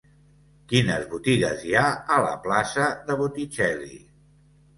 Quines botigues hi ha a la plaça de Botticelli?